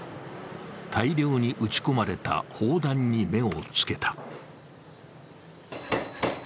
大量に撃ち込まれた砲弾に目をつけた。